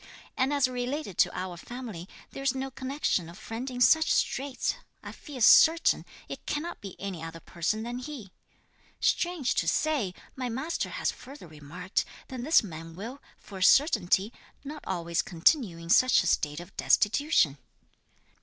And as related to our family there is no connexion or friend in such straits, I feel certain it cannot be any other person than he. Strange to say, my master has further remarked that this man will, for a certainty, not always continue in such a state of destitution."